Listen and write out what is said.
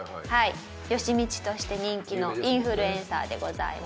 よしミチとして人気のインフルエンサーでございます。